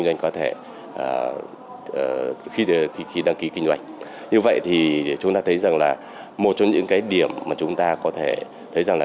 như vậy thì chúng ta thấy rằng là một trong những cái điểm mà chúng ta có thể thấy rằng là